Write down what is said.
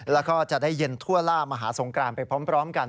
แล้วก็จะได้เย็นทั่วล่ามหาสงกรานไปพร้อมกัน